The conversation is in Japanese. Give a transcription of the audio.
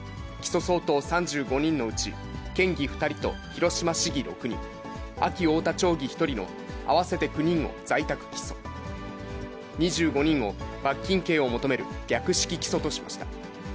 起訴相当３５人のうち県議２人と広島市議６人、安芸太田町議１人の合わせて９人を在宅起訴、２５人を罰金刑を求める略式起訴としました。